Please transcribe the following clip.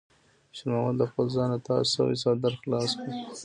شېرمحمد له خپل ځانه تاو شوی څادر خلاص کړ.